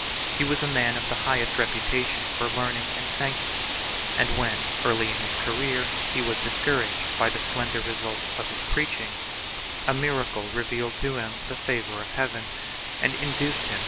He was a man of the highest reputation for learning and sanctity and when, early in his career, he was discouraged by the slender result of his preaching, a miracle revealed to him the favor of Heaven and induced him to per 1 Raynald.